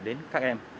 đến các em